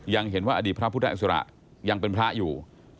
ยังเห็นว่าอดีตพระพุทธอิสระยังเป็นพระอยู่